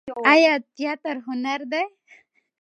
آیا تیاتر هنر دی؟